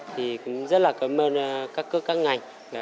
thì cũng rất là cảm ơn các cấp các ngành